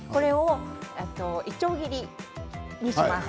いちょう切りにします。